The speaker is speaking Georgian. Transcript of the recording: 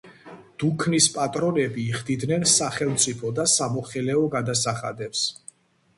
დუქნის პატრონები იხდიდნენ სახელმწიფო და სამოხელეო გადასახადებს.